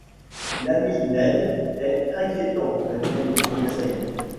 L’ami Ned est inquiétant, répondit Conseil.